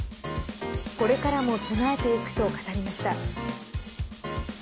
これからも備えていくと語りました。